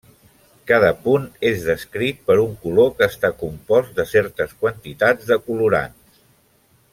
Cada punt és descrit per un color que està compost de certes quantitats de colorants.